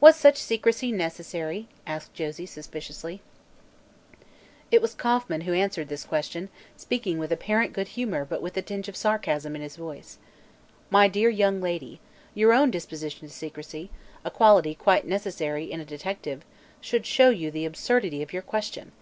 "Was such secrecy necessary?" asked Josie suspiciously. It was Kauffman who answered this question, speaking with apparent good humor but with a tinge of sarcasm in his voice: "My dear young lady, your own disposition to secrecy a quality quite necessary in a detective should show you the absurdity of your question.